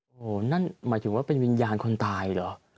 โอ้โหนั่นหมายถึงว่าเป็นวิญญาณคนตายเหรอ